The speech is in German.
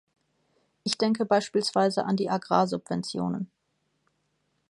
Ich denke beispielsweise an die Agrarsubventionen.